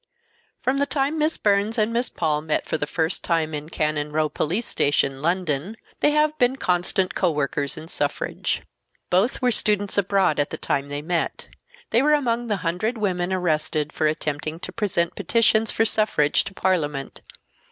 From the time Miss Burns and Miss Paul met for the first time in Cannon Row Police Station, London, they have been constant co workers in suffrage. Both were students abroad at the time they met. They were among the hundred women arrested for attempting to present petitions for suffrage to Parliament.